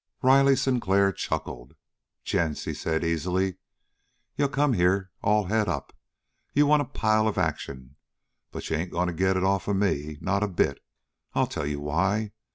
Riley Sinclair chuckled. "Gents," he said easily, "you come here all het up. You want a pile of action, but you ain't going to get it off'n me not a bit! I'll tell you why.